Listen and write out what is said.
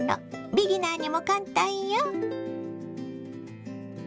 ビギナーにも簡単よ。